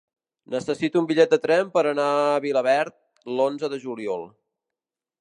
Necessito un bitllet de tren per anar a Vilaverd l'onze de juliol.